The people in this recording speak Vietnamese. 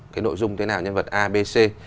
cái nội dung thế nào nhân vật a b c